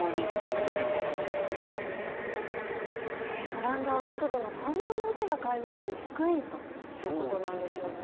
オランダは国土の３分の１が海面より低いということなんですね。